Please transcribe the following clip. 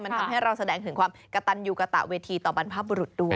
มันทำให้เราแสดงถึงความกระตันยูกระตะเวทีต่อบรรพบุรุษด้วย